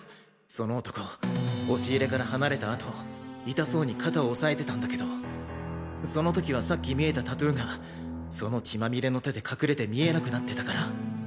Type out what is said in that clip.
その男押し入れから離れたあと痛そうに肩を押さえてたんだけどその時はさっき見えたタトゥーがその血まみれの手で隠れて見えなくなってたから。